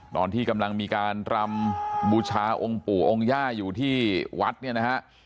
ตอนที่กำลังมีการรำบูชาองค์ปู่องค์ย่าอยู่ที่วัดเนี่ยนะฮะ